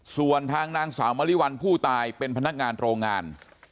ส่วนทางนางสาวมริวัลผู้ตายเป็นพนักงานโรงงาน